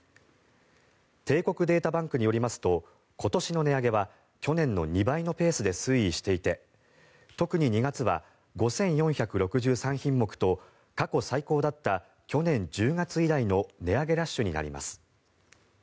帝国データバンクによりますと今年の値上げは去年の２倍のペースで推移していて、特に２月は５４６３品目と過去最高だった去年１０月以来の値上げラッシュになります。